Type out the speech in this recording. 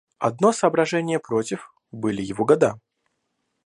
Одно соображение против — были его года.